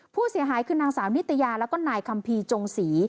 ผู้เสียหายคือนางสาวนิตยาแล้วก็นายคัมภีร์จงศรี